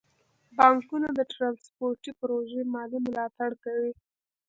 بانکونه د ترانسپورتي پروژو مالي ملاتړ کوي.